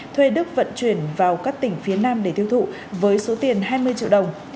thuê đức vận chuyển vào các tỉnh phía nam để tiêu thụ với số tiền hai mươi triệu đồng